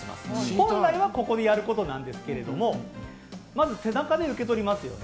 本来はここでやることなんですけれども、まず背中で受け取りますよね。